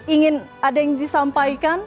ingin ada yang disampaikan